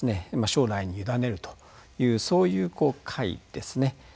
将来に委ねるというそういう解ですね。